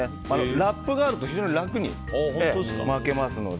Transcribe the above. ラップがあると非常に楽に巻けますので。